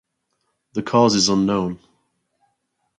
The cause is unknown.